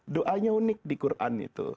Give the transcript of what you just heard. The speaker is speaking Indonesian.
doanya unik di quran itu